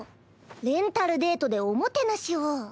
レンタルデートでおもてなしを。